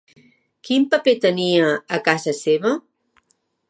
Quin paper tenia a casa seva?